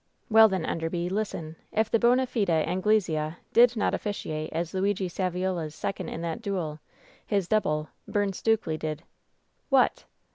"Well, then, Enderby, listen : If the bona fide Angle sea did not oflSciate as Luigi Saviola's second in that duel, hi3 double, Byrne Stukely, did." "What